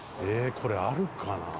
これあるかな？